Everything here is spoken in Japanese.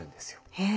へえ。